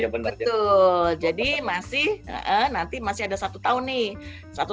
betul jadi masih nanti masih ada satu tahun nih